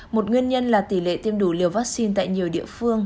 một nguyên nhân là tỷ lệ tiêm đủ liều vaccine tại nhiều địa phương